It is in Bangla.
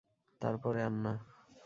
তারপরে আর না।